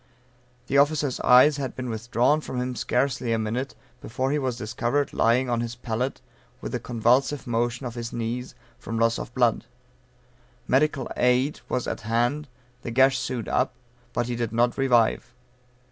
The officer's eyes had been withdrawn from him scarcely a minute, before he was discovered lying on his pallet, with a convulsive motion of his knees, from loss of blood. Medical aid was at hand, the gash sewed up, but he did not revive.